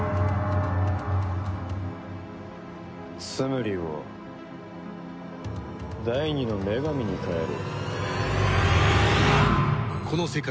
ツムリを第２の女神に変える。